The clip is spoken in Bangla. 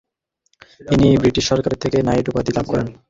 তিনি ব্রিটিশ সরকারের থেকে নাইট উপাধি লাভ করেন ।